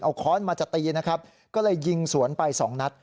เอาค้อนมาจะตีนะครับก็เลยยิงสวนไปสองนัด